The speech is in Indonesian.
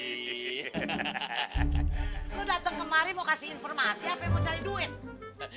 lo datang kemari mau kasih informasi apa yang mau cari duit